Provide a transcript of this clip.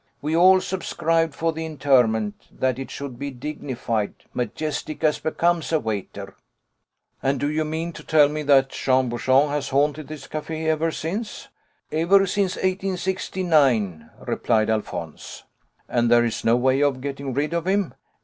We all subscribed for the interment, that it should be dignified majestic as becomes a waiter." "And do you mean to tell me that Jean Bouchon has haunted this café ever since?" "Ever since 1869," replied Alphonse. "And there is no way of getting rid of him?"